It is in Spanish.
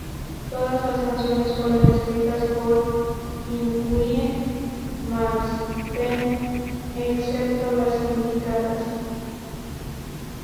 Todas las canciones fueron escritas por Yngwie Malmsteen excepto las indicadas.